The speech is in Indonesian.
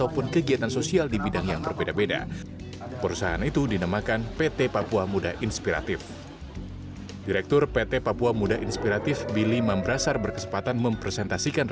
pertama pertama pertama